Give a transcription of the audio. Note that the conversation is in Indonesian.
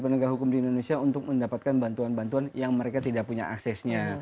penegak hukum di indonesia untuk mendapatkan bantuan bantuan yang mereka tidak punya aksesnya